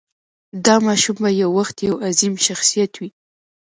دا ماشوم به یو وخت یو عظیم شخصیت وي.